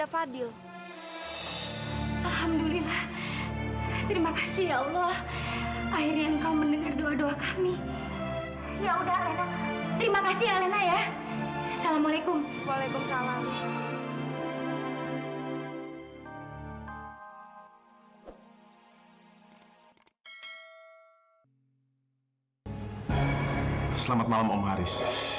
selamat malam om haris